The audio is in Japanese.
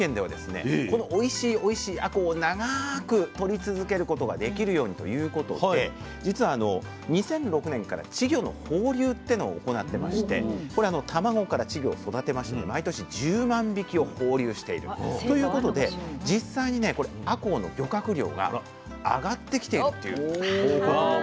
このおいしいおいしいあこうを長くとり続けることができるようにということで実は２００６年から稚魚の放流っていうのを行ってましてこれ卵から稚魚を育てまして毎年１０万匹を放流しているということで実際にねあこうの漁獲量が上がってきているという報告もあるんです。